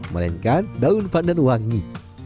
melainkan daun pandan wangi